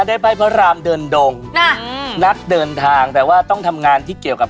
ได้ใบ้พระรามเดินดงน่ะอืมนักเดินทางแต่ว่าต้องทำงานที่เกี่ยวกับ